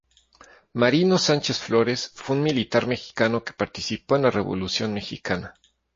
Marino Sánchez Flores fue un militar mexicano que participó en la Revolución mexicana.